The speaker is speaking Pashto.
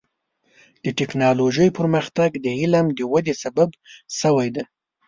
د ټکنالوجۍ پرمختګ د علم د ودې سبب شوی دی.